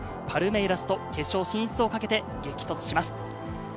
パルメイラスと決勝進出をかけて激突します。